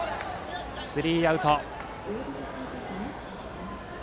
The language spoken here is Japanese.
スリーアウト。